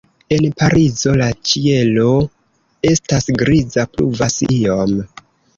En Parizo la ĉielo estas griza, pluvas iom.